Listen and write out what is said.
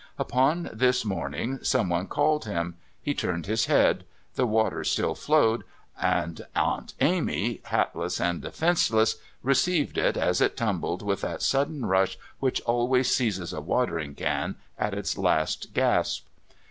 Upon this morning someone called him; he turned his head; the water still flowed, and Aunt Amy, hatless and defenceless, received it as it tumbled with that sudden rush which always seizes a watering can at its last gasp.